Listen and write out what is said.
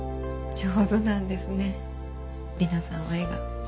上手なんですね理奈さんは絵が。